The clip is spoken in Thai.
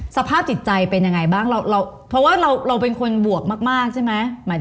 สภาพจิตใจเป็นยังไงบ้างเราเพราะว่าเราเป็นคนบวกมากใช่ไหม